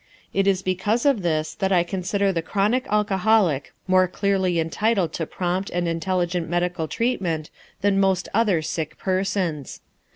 It is because of this that I consider the chronic alcoholic more clearly entitled to prompt and intelligent medical treatment than most other sick persons.